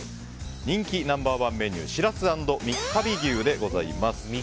人気ナンバーワンメニューしらす＆三ヶ日牛でございます。